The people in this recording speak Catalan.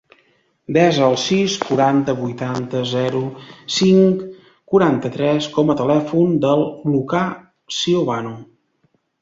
Desa el sis, quaranta, vuitanta, zero, cinc, quaranta-tres com a telèfon del Lucà Ciobanu.